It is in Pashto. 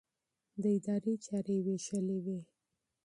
د ادارې چارې يې وېشلې وې.